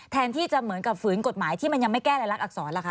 แทนที่จะเหมือนกับฝืนกฎหมายที่มันยังไม่แก้รายลักษรล่ะค